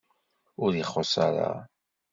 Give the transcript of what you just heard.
Ur ixuṣ ara.